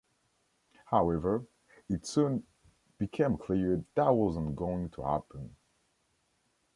However, it soon "became clear that wasn't going to happen".